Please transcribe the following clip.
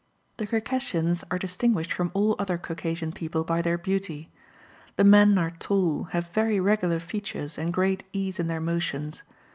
The Circassians are distinguished from all other Caucasian people by their beauty. The men are tall, have very regular features and great ease in their motions.